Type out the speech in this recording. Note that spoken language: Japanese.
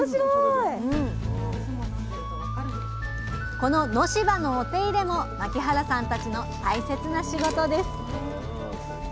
この野芝のお手入れも牧原さんたちの大切な仕事です